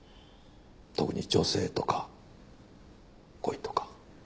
特に女性とか恋とか。